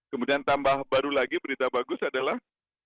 kemudian tambah baru lagi berita bagus adalah